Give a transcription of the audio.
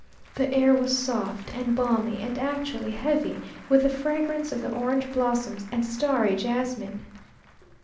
The air was soft and balmy, and actually heavy with the fragrance of the orange blossom and starry jasmine.